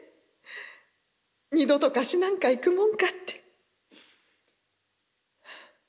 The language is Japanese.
『ニ度と河岸なんか行くもんか』って。